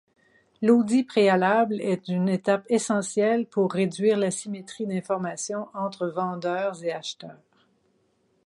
L'audit préalable est une étape essentielle pour réduire l'asymétrie d’information entre vendeurs et acheteurs.